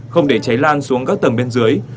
không để cháy lan xuống các tầng bên dưới